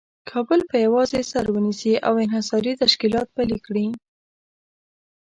کابل په یوازې سر ونیسي او انحصاري تشکیلات پلي کړي.